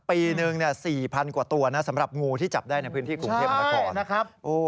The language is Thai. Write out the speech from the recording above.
ปีหนึ่ง๔๐๐กว่าตัวนะสำหรับงูที่จับได้ในพื้นที่กรุงเทพมนาคมนะครับ